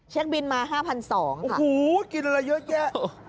บินมา๕๒๐๐บาทโอ้โหกินอะไรเยอะแยะ